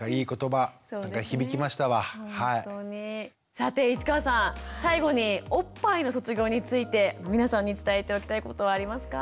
さて市川さん最後におっぱいの卒業について皆さんに伝えておきたいことはありますか？